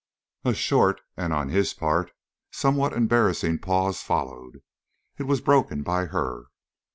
A short and, on his part, somewhat embarrassing pause followed. It was broken by her.